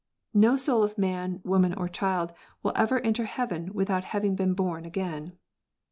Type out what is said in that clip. !N"o soul of man, woman, or child, will ever enter heaven without having been born again.